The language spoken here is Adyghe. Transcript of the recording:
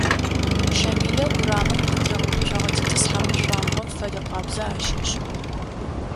Щамилэ урамым къытыригъэуцогъэ тетӀысхьапӀэ шъуамбгъом фэдэкъабзэ ащи ышӀыгъ.